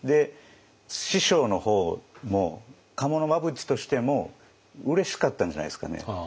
師匠の方も賀茂真淵としてもうれしかったんじゃないですかね。